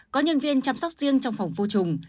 có nhân viên chăm sóc riêng trong phòng vô trùng